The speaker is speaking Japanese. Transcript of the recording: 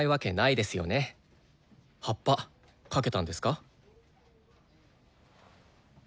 ハッパかけたんですか？